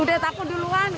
udah takut duluan